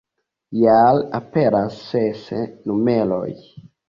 Jare aperas ses numeroj.